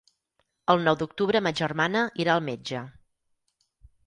El nou d'octubre ma germana irà al metge.